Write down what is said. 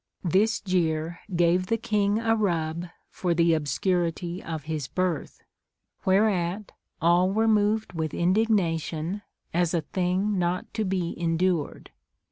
This jeer gave the king a rub for the obscurity of his birth, whereat all were moved Avith indignation, as a thing not to be endured.